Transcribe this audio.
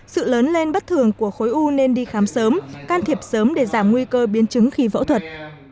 sự lớn lên bất thường của khối u nên đi khám sớm can thiệp sớm để giảm nguy cơ biến chứng khi phẫu thuật